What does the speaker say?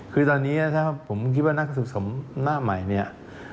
คือตอนนี้นะครับผมคิดว่านักศึกษาหน้าใหม่